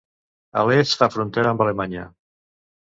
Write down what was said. A l'est fa frontera amb Alemanya.